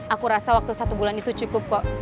aku rasa waktu satu bulan itu cukup kok